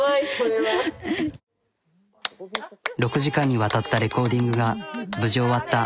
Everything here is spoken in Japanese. ６時間にわたったレコーディングが無事終わった。